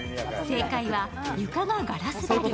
正解は床がガラス張り。